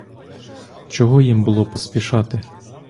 Чого їм було поспішати?